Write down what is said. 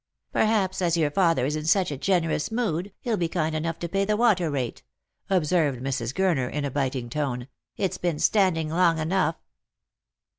" Perhaps, as your father is in such a generous mood, he'll be kind enough to pay the water rate," observed Mrs. Gurner in a biting tone ;" it's been standing long enough."